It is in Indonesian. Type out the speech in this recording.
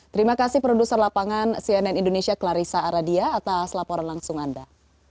terima kasih produser lapangan cnn indonesia clarissa aradia atas laporan langsung anda